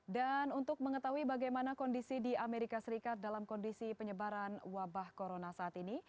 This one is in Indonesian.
dan untuk mengetahui bagaimana kondisi di amerika serikat dalam kondisi penyebaran wabah corona saat ini